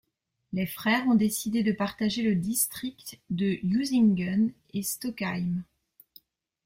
Les frères ont décidé de partager le district de Usingen et Stockheim.